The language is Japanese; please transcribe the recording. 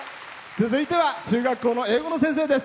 続いては中学校の英語の先生です。